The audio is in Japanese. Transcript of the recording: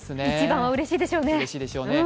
１番はうれしいでしょうね。